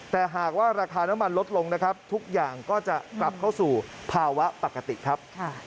แต่หากว่าราคาน้ำมันลดลงนะครับทุกอย่างก็จะกลับเข้าสู่ภาวะปกติครับ